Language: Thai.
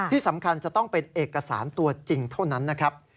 ที่สำคัญจะต้องเป็นเอกสารตัวจริงเท่านั้นนะครับ